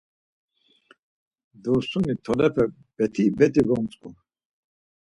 Dursuni tolepe bet̆i bet̆i gontzu.